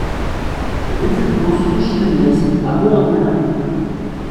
Rue Fulgencio Gimenez à Vaulx-en-Velin